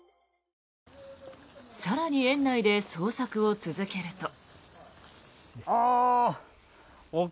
更に園内で捜索を続けると。